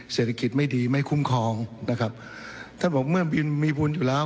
เศรษฐกิจไม่ดีไม่คุ้มครองนะครับท่านบอกเมื่อบินมีบุญอยู่แล้ว